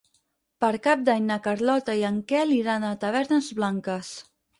Per Cap d'Any na Carlota i en Quel iran a Tavernes Blanques.